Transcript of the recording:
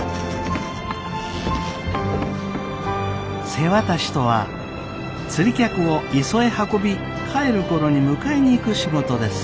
瀬渡しとは釣り客を磯へ運び帰る頃に迎えに行く仕事です。